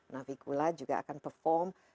navikula juga akan perform